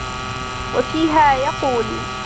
وَفِيهَا يَقُولُ